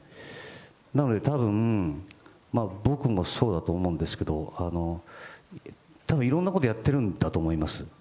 なのでたぶん、僕もそうだと思うんですけど、たぶんいろんなことやってるんだと思います。